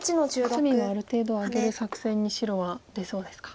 隅はある程度あげる作戦に白は出そうですか。